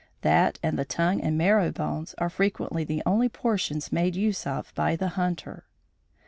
That and the tongue and marrow bones are frequently the only portions made use of by the hunter.